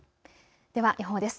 では予報です。